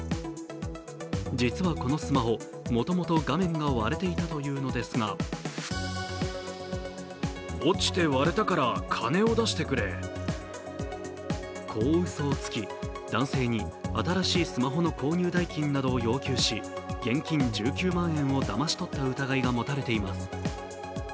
実はこのスマホ、もともと画面が割れていたというのですがこううそをつき男性に新しいスマホの購入代金などを要求し現金１９万円をだまし取った疑いが持たれています。